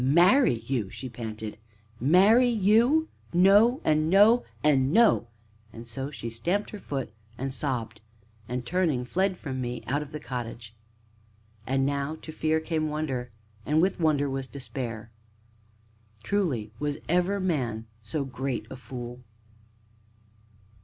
"Marry you!" she panted; "marry you? no and no and no!" And so she stamped her foot, and sobbed, and turning, fled from me, out of the cottage. And now to fear came wonder, and with wonder was despair. Truly, was ever man so great a fool!